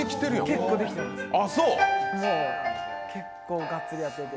もう結構、がっつりやってて。